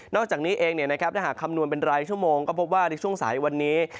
อกจากนี้เองถ้าหากคำนวณเป็นรายชั่วโมงก็พบว่าในช่วงสายวันนี้